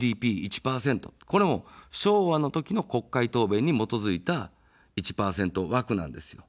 ＧＤＰ１％、これも昭和の時の国会答弁に基づいた１％枠なんですよ。